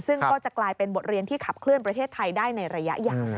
ซึ่งก็จะกลายเป็นบทเรียนที่ขับเคลื่อนประเทศไทยได้ในระยะยาว